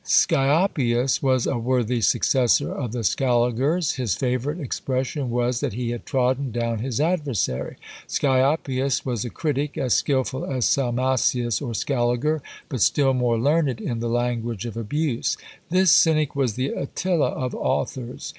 Scioppius was a worthy successor of the Scaligers: his favourite expression was, that he had trodden down his adversary. Scioppius was a critic, as skilful as Salmasius or Scaliger, but still more learned in the language of abuse. This cynic was the Attila of authors.